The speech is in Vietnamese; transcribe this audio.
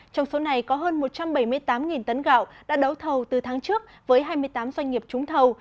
trong số này có hơn một trăm bảy mươi tám tấn gạo đã đấu thầu từ tháng trước với hai mươi tám doanh nghiệp trúng thầu